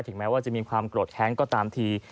แม้ว่าจะมีความโกรธแค้นก็ตามที